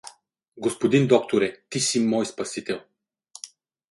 Г-н докторе, ти си мой спасител.